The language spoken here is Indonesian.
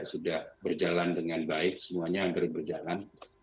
sudah berjalan dengan baik semuanya hampir berjalan